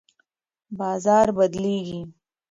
بازار بدلیږي.